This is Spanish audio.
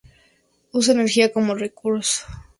Usa energía como recurso.